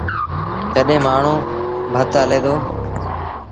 جڏهيݩ مآڻهوٚݩ ڀت هلي دو۔